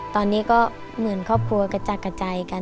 ตอนนี้ก็เหมือนครอบครัวกระจัดกระจายกัน